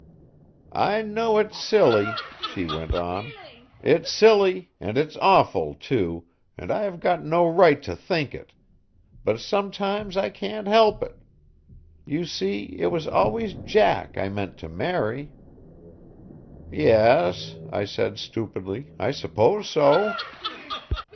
"I know it's silly," she went on, "it's silly, and it's awful, too, and I have got no right to think it, but sometimes I can't help it. You see it was always Jack I meant to marry." "Yes," I said stupidly, "I suppose so."